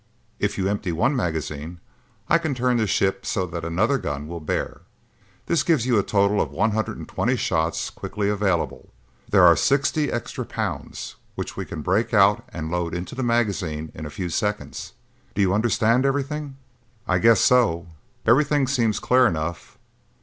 If you empty one magazine, I can turn the ship so that another gun will bear. This gives you a total of one hundred and twenty shots quickly available; there are sixty extra rounds, which we can break out and load into the magazines in a few seconds. Do you understand everything?" "I guess so. Everything seems clear enough."